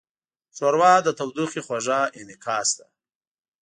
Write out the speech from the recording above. ښوروا د تودوخې خوږه انعکاس ده.